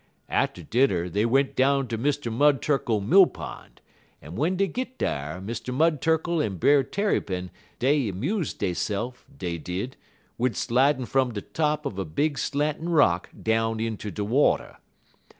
Atter dinner dey went down ter Mr. Mud Turkle mill pon', en w'en dey git dar Mr. Mud Turkle en Brer Tarrypin dey 'muse deyse'f, dey did, wid slidin' fum de top uv a big slantin' rock down inter de water.